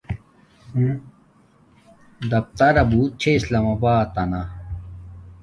دفترا بوت چھے اسلام آباتنا